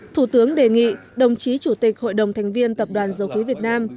thủ tướng đề nghị đồng chí chủ tịch hội đồng thành viên tập đoàn dầu khí việt nam